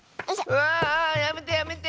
うわあやめてやめて！